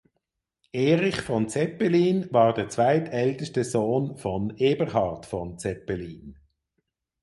Erich von Zeppelin war der zweitälteste Sohn von Eberhard von Zeppelin.